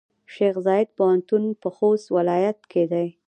شیخزاید پوهنتون پۀ خوست ولایت کې دی.